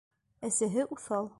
Әсәһе уҫал.